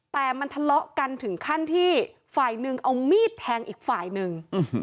แต่มันทะเลาะกันถึงขั้นที่ฝ่ายหนึ่งเอามีดแทงอีกฝ่ายหนึ่ง